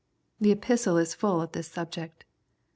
The Epistle is full of this subject.